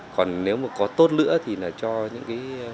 còn nếu mà có tốt nữa thì là cho những cái hỗ trợ về thông tin